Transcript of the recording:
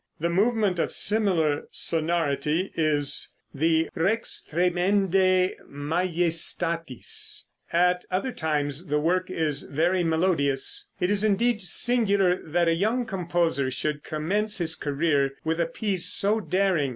A movement of similar sonority is the "Rex Tremendæ Majestatis." At other times the work is very melodious. It is indeed singular that a young composer should commence his career with a piece so daring.